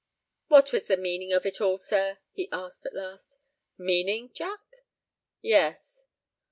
"What was the meaning of it all, sir?" he asked, at last. "Meaning, Jack?" "Yes."